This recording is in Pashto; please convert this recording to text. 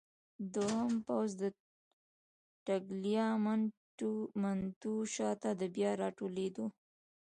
دوهم پوځ د ټګلیامنتو شاته د بیا راټولېدو.